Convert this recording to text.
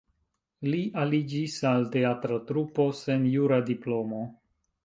Li aliĝis al teatra trupo sen jura diplomo.